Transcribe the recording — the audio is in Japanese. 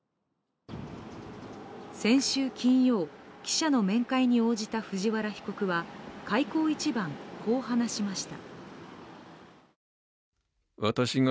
先週金曜、記者の面会に応じた藤原被告は開口一番、こう話しました。